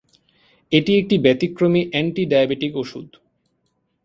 এটি একটি ব্যতিক্রমী অ্যান্টি-ডায়াবেটিক ওষুধ।